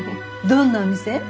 どんなお店？